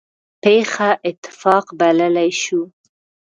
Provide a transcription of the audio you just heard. پېښه اتفاق بللی شو.